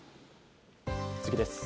次です。